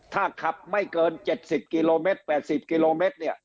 ถ้าขับไม่เกิน๗๐กิโลเมตร๘๐กิโลเมตรเนี่ย